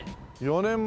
４年前。